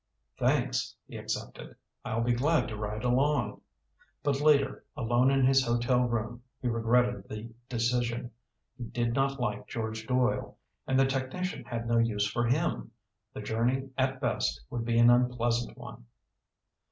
"Thanks," he accepted. "I'll be glad to ride along." But later, alone in his hotel room, he regretted the decision. He did not like George Doyle. And the technician had no use for him. The journey at best would be an unpleasant one.